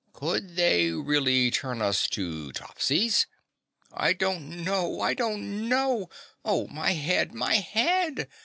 "Could they really turn us to Topsies?" "I don't know! I don't know! Oh my head, my HEAD!"